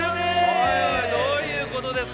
おいおいどういうことですかこれ？